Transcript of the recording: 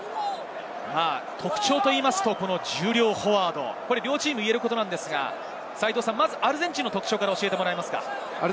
特徴というと重量フォワード、両チームに言えることですが、アルゼンチンの特徴から教えてもらえますか？